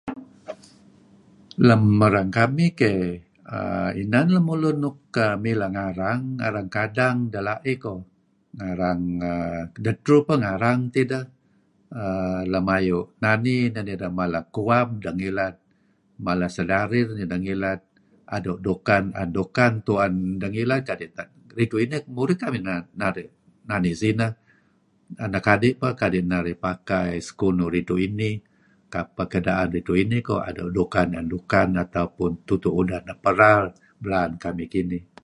"Lem erang kamih keyh aen lemulun nuk mileh ngarang, ngarang kadang, deaih koh ngarang um) dedtur peh ngarang tideh uhm. Lem ayu' nani ideh mala Kuab ideh ngilad, ideh mala Sedadir nideh ngilad, Ado' Dukan Aan Dukan tuen deh ngilad. Ridtu' ini murih kamih naru' nani sineh anak adi' peh pakai sekunuh ridtu' inih, kapeh kedaan ridtu'inih ""Ado' Dukan Aan Dukan"" atau pun ""Tutu' Udan Nepara"" belaan kamih kinih."